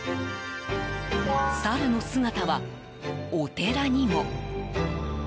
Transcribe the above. サルの姿はお寺にも。